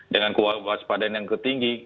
dengan kewaspadaan yang ketinggi